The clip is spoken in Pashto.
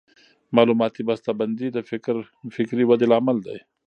معلوماتي بسته بندي د فکري ودې لامل دی.